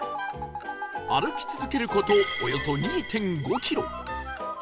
歩き続ける事およそ ２．５ キロ